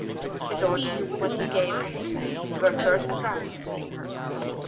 His orders, when he gave any, were curt and rough.